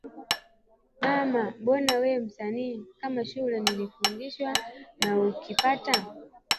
”Mama mbona we msanii kama shule nilifurushwa na ukipata